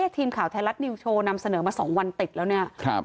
ทีมข่าวไทยรัฐนิวโชว์นำเสนอมา๒วันติดแล้วเนี่ย